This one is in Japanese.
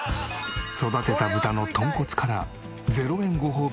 育てた豚の豚骨から０円ごほうび